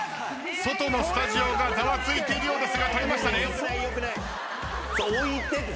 外のスタジオがざわついているようですが取りましたね。